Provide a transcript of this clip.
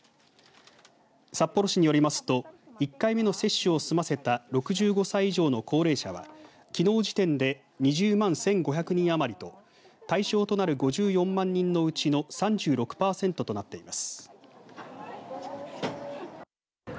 札幌市によりますと１回目の接種を済ませた６５歳以上の高齢者はきのう時点で２０万１５００人余りと対象となる５４万人のうちの３６パーセントとなっています。